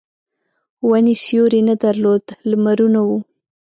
ونې سیوری نه درلود لمرونه وو.